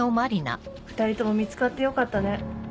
２人とも見つかってよかったね。